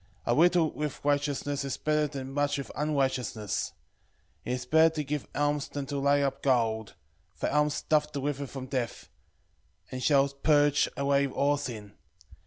A little with righteousness is better than much with unrighteousness. It is better to give alms than to lay up gold: 12:9 For alms doth deliver from death, and shall purge away all sin.